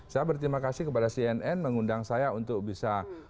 saya berterima kasih kepada cnn mengundang saya untuk bisa